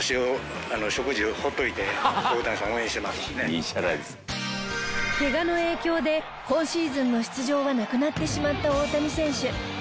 「毎日見てる午前中」けがの影響で今シーズンの出場はなくなってしまった大谷選手